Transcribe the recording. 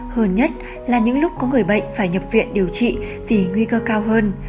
hơn nhất là những lúc có người bệnh phải nhập viện điều trị vì nguy cơ cao hơn